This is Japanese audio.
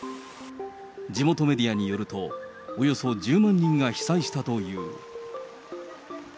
地元メディアによると、およそ１０万人が被災したという。